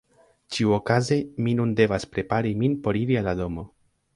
Ĉiuokaze mi nun devas prepari min por iri al la domo.